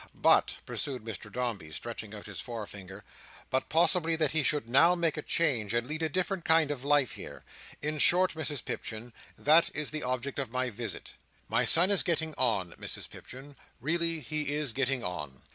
"But," pursued Mr Dombey, stretching out his forefinger, "but possibly that he should now make a change, and lead a different kind of life here. In short, Mrs Pipchin, that is the object of my visit. My son is getting on, Mrs Pipchin. Really, he is getting on."